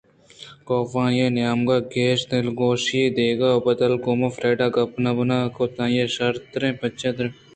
کاف آئی ءِ نیمگ ءَ گیشں دلگوشی دیگ ءِ بدل ءَگوں فریڈا ءَ گپ بنا کُت کہ آئی ءِ شرتریں پُچان دربہ کنت کہ آئی ءَ را جاگہے ءَ مروچی گندءُنندے ءَ روگی اِنت